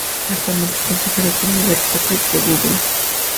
Actualmente es consejero senior de Copyright en Google.